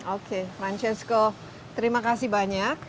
oke francisco terima kasih banyak